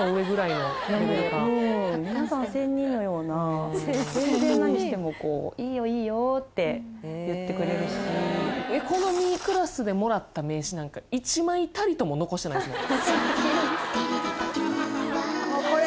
いやもうもう皆さん仙人のような全然何してもこう「いいよいいよ」って言ってくれるしエコノミークラスでもらった名刺なんか１枚たりとも残してないですもん